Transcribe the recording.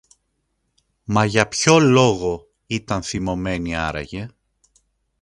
Μα για ποιο λόγο ήταν θυμωμένη άραγε;